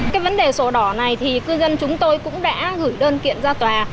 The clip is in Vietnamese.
cái vấn đề sổ đỏ này thì cư dân chúng tôi cũng đã gửi đơn kiện ra tòa